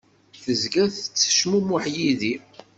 Tezga tettcmumuḥ yid-i.